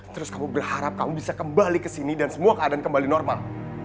terus kamu berharap kamu bisa kembali ke sini dan semua keadaan kembali normal